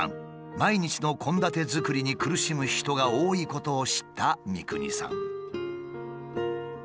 毎日の献立作りに苦しむ人が多いことを知った三國さん。